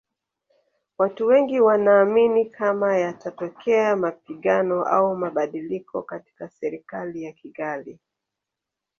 Watu Wengi wanaamini kama yatatokea mapigano au mabadiliko katika Serikali ya Kigali